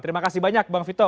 terima kasih banyak bang vito